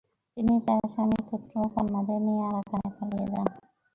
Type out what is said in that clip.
তিনি তার স্বামী, পুত্র ও কন্যাদের নিয়ে আরাকানে পালিয়ে যান।